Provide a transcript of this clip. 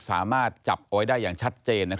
สามารถจับเอาไว้ได้อย่างชัดเจน